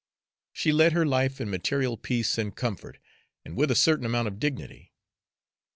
She led her life in material peace and comfort, and with a certain amount of dignity.